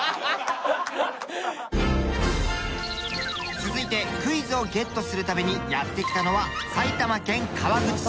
続いてクイズをゲットするためにやって来たのは埼玉県川口市。